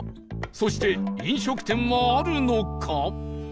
そして飲食店はあるのか？